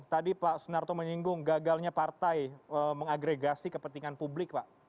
tadi pak sunarto menyinggung gagalnya partai mengagregasi kepentingan publik pak